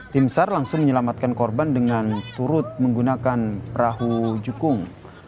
tim sar langsung menyelamatkan korban dengan turut menggunakan perahu jukung